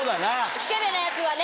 スケベなやつはね。